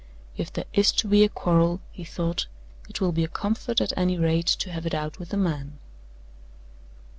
"If there is to be a quarrel," he thought, "it will be a comfort, at any rate, to have it out with a man."